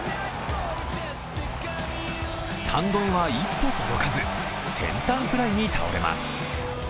スタンドへは一歩届かずセンターフライに倒れます。